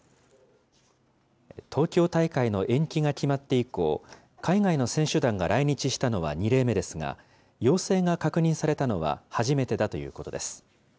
東京大会の延期が決まって以降、海外の選手団が来日したのは２例目ですが、陽性が確認されたのは初めてだということです。